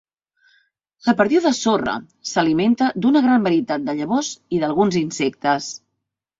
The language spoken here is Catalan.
La perdiu de sorra s'alimenta d'una gran varietat de llavors i d'alguns insectes.